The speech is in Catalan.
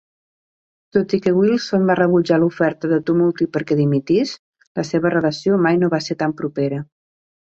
Tot i que Wilson va rebutjar l'oferta de Tumulty perquè dimitís, la seva relació mai no va ser tan propera.